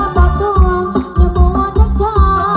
เธอบอกตัวอย่าบวนชักช้า